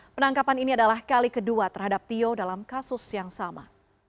penangkapan ini adalah kali kedua terhadap tio dalam kasus yang sama